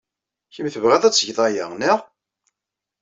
Kemm tebɣiḍ ad tgeḍ aya, naɣ?